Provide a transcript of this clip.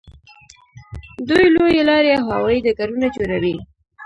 دوی لویې لارې او هوایي ډګرونه جوړوي.